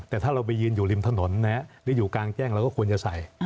แต่ถ้าเราไปยืนอยู่ริมถนนหรืออยู่กลางแจ้งเราก็ควรจะใส่